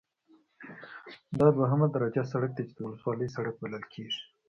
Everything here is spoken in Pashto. دا دوهمه درجه سرک دی چې د ولسوالۍ سرک بلل کیږي